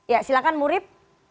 ya silakan murid